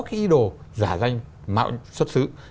cái ý đồ giả danh mạo xuất xứ